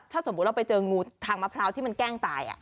ถ้าสมมุติเราไปเจองูทางมะพร้าวที่มันแกล้งตาย